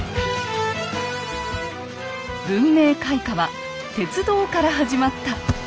文明開化は鉄道から始まった。